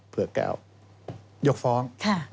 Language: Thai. เผือกแก่วยกฟอง